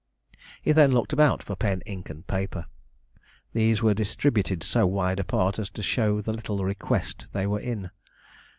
He then looked about for pen, ink, and paper. These were distributed so wide apart as to show the little request they were in.